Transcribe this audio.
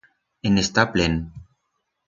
En está plen.